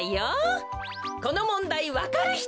このもんだいわかるひと！